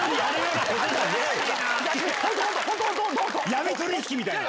闇取引みたいな。